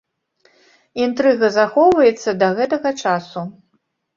Інтрыга захоўваецца да гэтага часу.